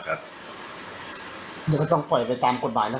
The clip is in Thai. ก็ต้องปล่อยไปตามกฎหมายนะ